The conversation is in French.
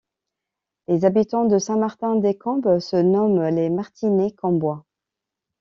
Les habitants de Saint-Martin-des-Combes se nomment les Martinets Combois.